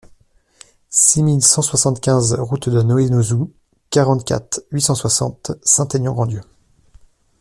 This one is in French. six mille cent soixante-quinze route de la Noë Nozou, quarante-quatre, huit cent soixante, Saint-Aignan-Grandlieu